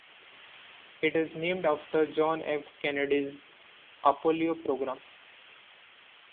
It is named after John F. Kennedy's Apollo program.